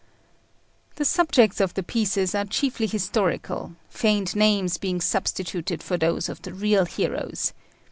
The subjects of the pieces are chiefly historical, feigned names being substituted for those of the real heroes.